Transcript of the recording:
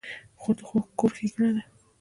خور د کور ښېګڼه ده.